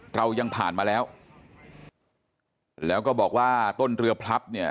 เรายังผ่านมาแล้วแล้วก็บอกว่าต้นเรือพลับเนี่ย